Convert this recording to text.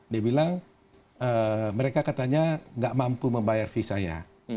dia bilang mereka katanya nggak mampu membayar fee saya